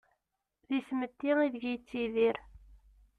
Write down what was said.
Di tmetti ideg-i yettidir.